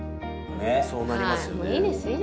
そうなりますよね。